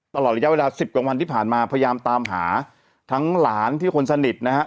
ตลอดระยะเวลาสิบกว่าวันที่ผ่านมาพยายามตามหาทั้งหลานที่คนสนิทนะฮะ